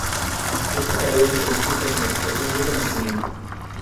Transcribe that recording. Esta tarea se conoce como extracción de conocimiento.